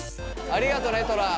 ありがとねトラ。